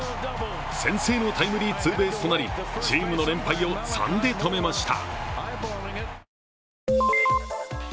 先制のタイムリーツーベースとなりチームの連敗を３で止めました。